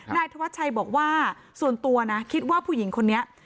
นายธวัชชัยบอกว่าส่วนตัวนะคิดว่าผู้หญิงคนนี้